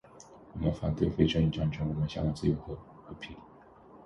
我们反对非正义战争，我们向往自由与和平